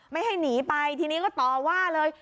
ไม่ให้หนีไปทีนี้ก็ต่อว่าเลย